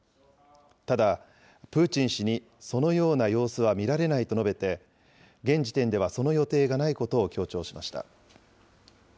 ただ、プーチン氏にそのような様子は見られないと述べて、現時点ではその予定がないことを強調しました。